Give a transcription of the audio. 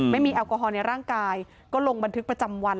แอลกอฮอลในร่างกายก็ลงบันทึกประจำวัน